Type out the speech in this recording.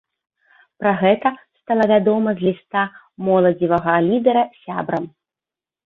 Пра гэта стала вядома з ліста моладзевага лідэра сябрам.